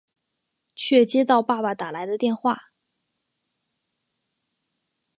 却接到爸爸打来的电话